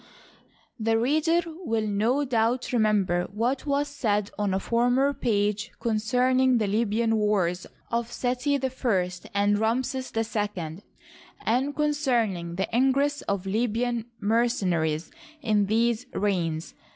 The reader will no doubt remember what was said on a former page concerning the Libyan wars of Seti I and Ramses II, and concerning the ingress of Libyan mercena ries in these reigns.